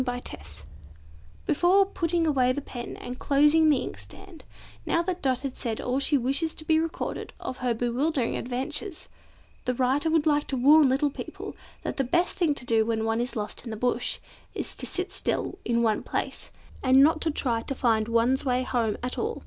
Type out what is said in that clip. Finale Before putting away the pen and closing the inkstand, now that Dot has said all she wishes to be recorded of her bewildering adventures, the writer would like to warn little people, that the best thing to do when one is lost in the bush, is to sit still in one place, and not to try to find one's way home at all.